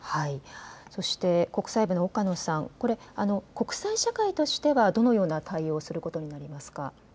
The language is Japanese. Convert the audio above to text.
そして国際部の岡野さん、国際社会としてはどのような対応をすることになりますか。